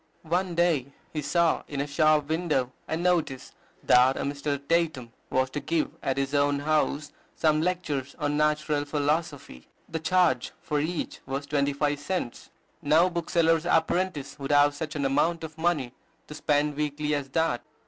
One day he saw in a shop window a notice that a Mr. Tatum was to give at his own house some lectures on Natural Philosophy. The charge for each was twenty five cents. No bookseller's apprentice would have such an amount of money to spend weekly as that.